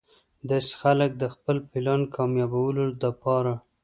داسې خلک د خپل پلان کاميابولو د پاره